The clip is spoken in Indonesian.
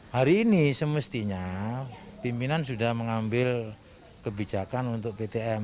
hari ini semestinya pimpinan sudah mengambil kebijakan untuk ptm